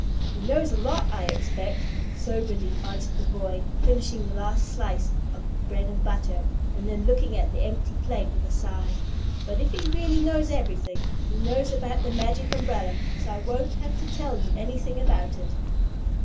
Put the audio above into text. "He knows a lot, I expect," soberly answered the boy, finishing the last slice of bread and butter and then looking at the empty plate with a sigh; "but if he really knows everthing he knows about the Magic Umbrella, so I won't have to tell you anything about it."